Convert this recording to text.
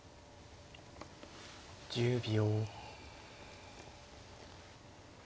１０秒。